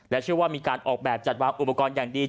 เชื่อว่ามีการออกแบบจัดวางอุปกรณ์อย่างดี